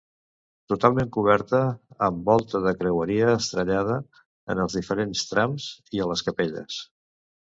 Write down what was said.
Totalment coberta amb volta de creueria estrellada en els diferents trams i a les capelles.